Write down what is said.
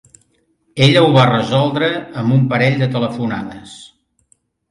Ella ho va resoldre amb un parell de telefonades.